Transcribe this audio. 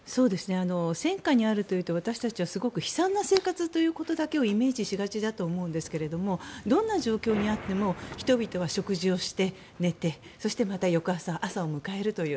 戦禍にあるというと私たちはすごく悲惨な生活だけをイメージしがちだと思うんですがどんな状況にあっても人々は食事をして寝てそして、また翌朝朝を迎えるという